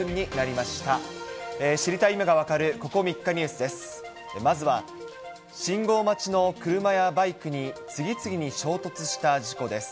まずは、信号待ちの車やバイクに次々に衝突した事故です。